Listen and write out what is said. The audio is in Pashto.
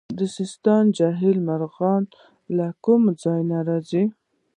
د سیستان جهیل مرغان له کوم ځای راځي؟